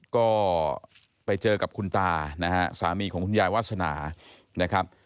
ก็ไปเจอกับคุณตานะฮะสามีของคุณยายวาสนานะครับ